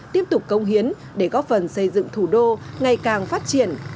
tiếp tục công hiến để góp phần xây dựng thủ đô ngày càng phát triển